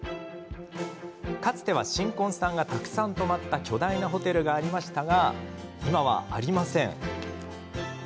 かつては新婚さんがたくさん泊まった巨大なホテルがありましたが今は、ありません。